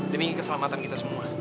demi keselamatan kita semua